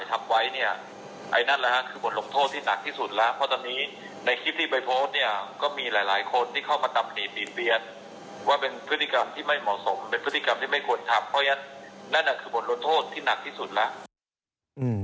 เพราะฉะนั้นนั่นคือบทลงโทษที่หนักที่สุดแล้ว